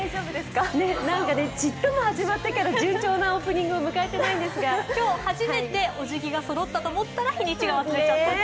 なんかちっとも始まってから順調なオープニング、迎えてないんですが今日初めておじぎがそろったと思ったら日にちを忘れちゃったと。